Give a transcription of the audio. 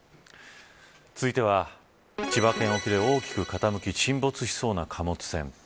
続いては千葉県沖で大きく傾き沈没しそうな貨物船。